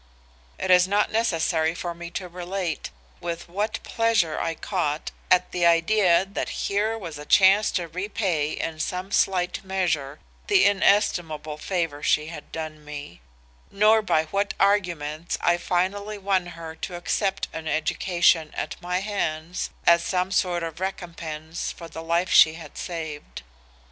"It is not necessary for me to relate with what pleasure I caught at the idea that here was a chance to repay in some slight measure the inestimable favor she had done me; nor by what arguments I finally won her to accept an education at my hands as some sort of recompense for the life she had saved.